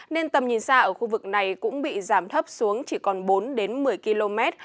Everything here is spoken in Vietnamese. nên tầm nhìn xa ở khu vực này cũng bị giảm thấp xuống chỉ còn bốn đến một mươi km